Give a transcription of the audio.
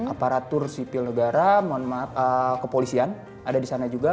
aparatur sipil negara kepolisian ada di sana juga